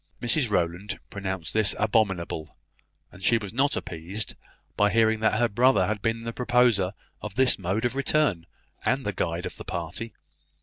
Mrs Rowland pronounced this abominable; and she was not appeased by hearing that her brother had been the proposer of this mode of return, and the guide of the party.